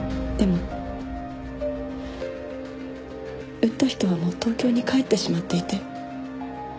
でも撃った人はもう東京に帰ってしまっていて。